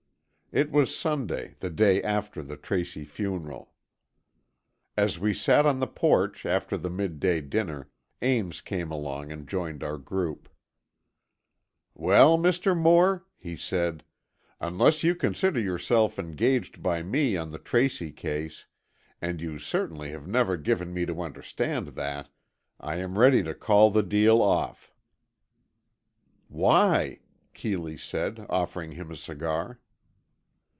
It was Sunday, the day after the Tracy funeral. As we sat on the porch, after the midday dinner, Ames came along and joined our group. "Well, Mr. Moore," he said, "unless you consider yourself engaged by me on the Tracy case, and you certainly have never given me to understand that, I am ready to call the deal off." "Why?" Keeley said, offering him a cigar.